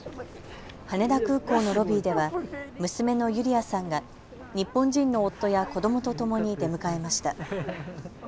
羽田空港のロビーでは娘のユリアさんが日本人の夫や子どもとともに出迎えました。